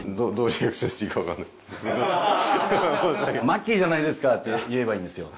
「マッキーじゃないですか！」って言えばいいんですよ。